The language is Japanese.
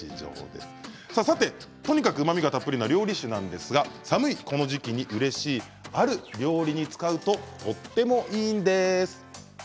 とにかく、うまみがたっぷりな料理酒ですが寒いこの時期にうれしいあの料理に使うととってもいいんです。